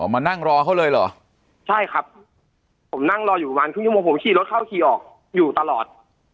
มานั่งรอเขาเลยเหรอใช่ครับผมนั่งรออยู่ประมาณครึ่งชั่วโมงผมขี่รถเข้าขี่ออกอยู่ตลอด